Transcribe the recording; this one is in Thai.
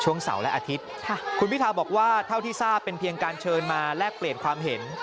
เสาร์และอาทิตย์คุณพิทาบอกว่าเท่าที่ทราบเป็นเพียงการเชิญมาแลกเปลี่ยนความเห็น